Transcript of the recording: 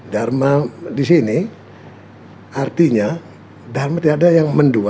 dharma di sini artinya dharma tidak ada yang mendua